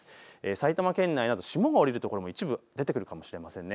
埼玉県内など霜が降りる所も一部出てくるかもしれませんね。